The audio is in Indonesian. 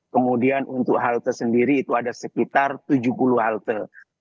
kemudian untuk halte sendiri itu ada sekitar tujuh puluh halte